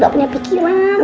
gak punya pikiran